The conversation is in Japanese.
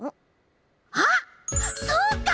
あっそうか！